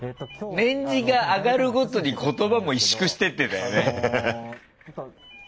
年次が上がるごとに言葉も萎縮してってんだよね。